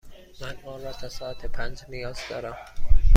من آن را تا ساعت پنج نیاز دارم.